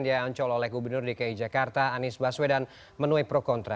di ancol oleh gubernur dki jakarta anies baswedan menue prokontra